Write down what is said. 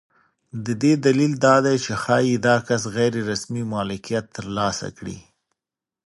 د دې دلیل دا دی چې ښایي دا کس غیر رسمي مالکیت ترلاسه کړي.